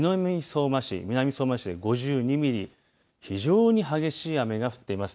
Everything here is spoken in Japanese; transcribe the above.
南相馬市５２ミリ非常に激しい雨が降っています。